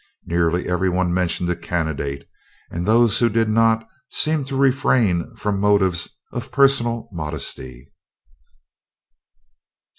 Nearly every one mentioned a candidate, and those who did not seemed to refrain from motives of personal modesty.